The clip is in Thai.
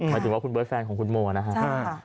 หมายถึงว่าคุณเบิร์ตแฟนของคุณโมนะครับ